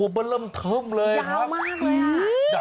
โอ้โหมันเริ่มทำเลยครับ